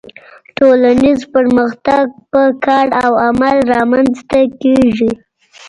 ټولنیز پرمختګ په کار او عمل رامنځته کیږي